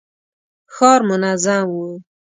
ښار منظم و.